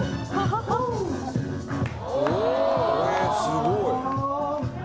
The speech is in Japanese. すごい。